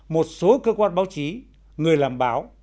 một số cơ quan báo chí người làm báo